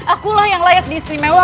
akulah yang layak diistimewakan